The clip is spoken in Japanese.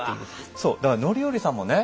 そうだから範頼さんもね